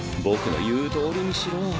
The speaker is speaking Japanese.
僕の言うとおりにしろ。